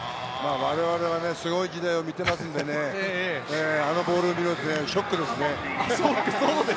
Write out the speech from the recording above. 我々はすごい時代を見てますんでね、あのボールを見るとショックですね。